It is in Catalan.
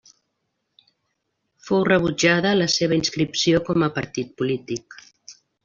Fou rebutjada la seva inscripció com a partit polític.